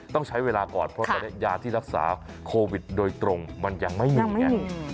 ต้องใช้เวลาก่อนเพราะตอนนี้ยาที่รักษาโควิดโดยตรงมันยังไม่มีไง